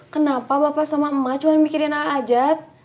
kenapa bapak sama emak cuma mikirin ajat